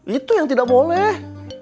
itu yang tidak boleh